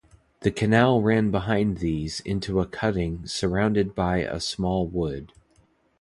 The canal ran behind these into a cutting surrounded by a small wood.